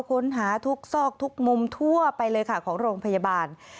ค้นหาทุกซอกทุกมุมทั่วไปเลยค่ะของโรงพยาบาล